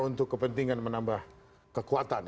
untuk kepentingan menambah kekuatan